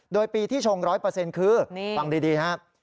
โดยปีที่ชง๑๐๐คือฟังดีนะครับ